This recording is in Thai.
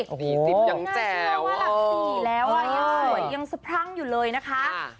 โอ้โหน่าจะว่าหลักสี่แล้วยังสวยยังสะพรั่งอยู่เลยนะคะ